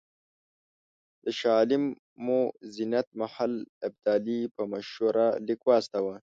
د شاه عالم مور زینت محل ابدالي په مشوره لیک واستاوه.